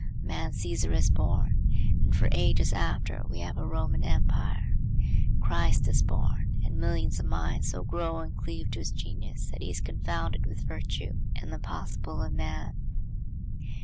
A man Cæsar is born, and for ages after we have a Roman Empire. Christ is born, and millions of minds so grow and cleave to his genius that he is confounded with virtue and the possible of man.